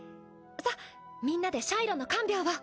さっみんなでシャイロの看病を。